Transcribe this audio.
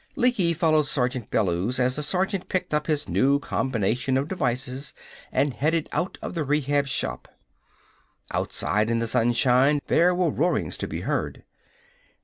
Lecky followed Sergeant Bellews as the sergeant picked up his new combination of devices and headed out of the Rehab Shop. Outside, in the sunshine, there were roarings to be heard.